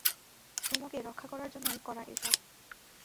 সুমোকে রক্ষা করার জন্যই করা এসব।